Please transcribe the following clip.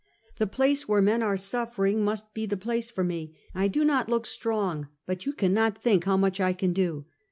The place where men are sufiering must be the place for me. I do not look strong, but you cannot think how much I can do.